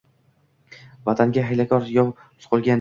Vatanga hiylakor yov suqilgan dam